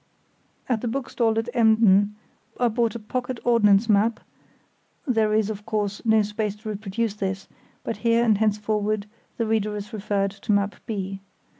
At the bookstall at Emden I bought a pocket ordnance map [There is, of course, no space to reproduce this, but here and henceforward the reader is referred to Map B.